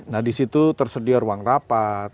nah disitu tersedia ruang rapat